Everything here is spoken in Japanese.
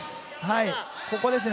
ここですね。